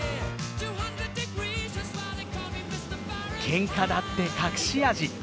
けんかだって隠し味。